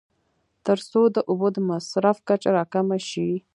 تر څو د اوبو د مصرف کچه راکمه شي.